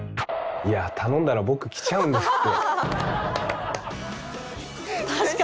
「いや頼んだら僕来ちゃうんですって」。